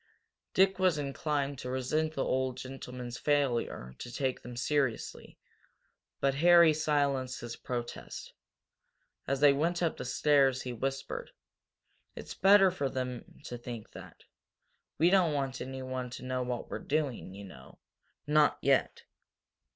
Dick was inclined to resent the old gentleman's failure to take them seriously, but Harry silenced his protest. As they went up the stairs he whispered: "It's better for him to think that. We don't want anyone to know what we're doing, you know not yet."